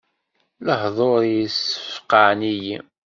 Lehduṛ-is ssfeqɛen-iyi.